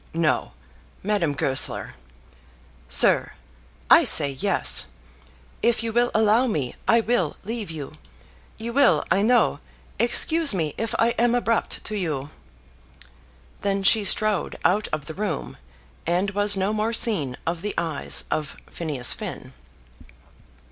"No; Madame Goesler." "Sir; I say yes! If you will allow me I will leave you. You will, I know, excuse me if I am abrupt to you." Then she strode out of the room, and was no more seen of the eyes of Phineas Finn.